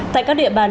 tại các địa bàn